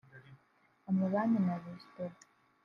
amabanki na resitora